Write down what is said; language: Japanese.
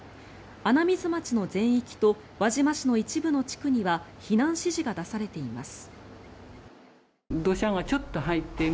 穴水町の全域と輪島市の一部の地区には避難指示が出されています。